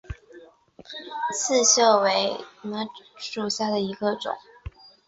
刺绣芋螺为芋螺科芋螺属下的一个种。